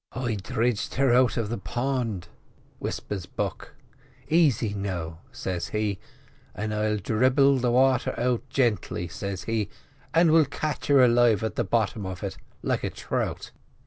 "'I dridged her out of the pond,' whispers Buck. 'Aisy now,' says he, 'an' I'll dribble the water out gently,' says he, 'an' we'll catch her alive at the bottom of it like a trout.